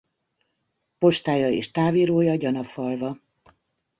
Postája és távírója Gyanafalva.